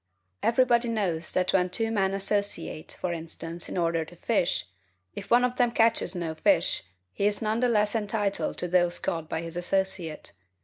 Everybody knows that when two men associate for instance in order to fish, if one of them catches no fish, he is none the less entitled to those caught by his associate.